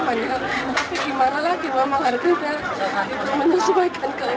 tapi gimana lagi bu sama harga nggak menyesuaikan ke bawahnya